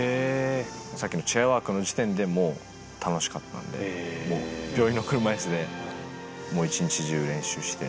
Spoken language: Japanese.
さっきのチェアワークの時点で、もう楽しかったんで、もう病院の車いすでもう一日中、練習して。